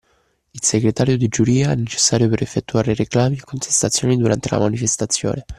Il segretario di giuria è necessario per effettuare reclami o contestazioni durante la manifestazione